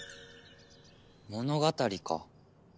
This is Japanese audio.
物語か。